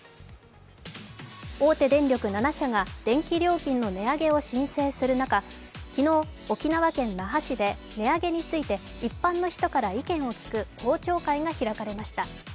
大手電力７社が電気料金の値上げを申請する中昨日、沖縄県那覇市で値上げについて一般の人から意見を聞く公聴会が開かれました。